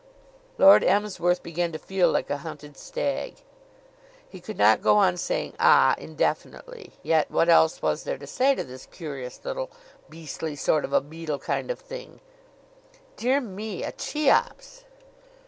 Lord Emsworth began to feel like a hunted stag. He could not go on saying "Ah!" indefinitely; yet what else was there to say to this curious little beastly sort of a beetle kind of thing? "Dear me! A Cheops!"